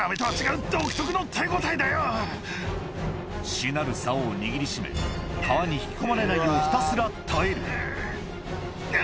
しなる竿を握り締め川に引き込まれないようひたすら耐えるう！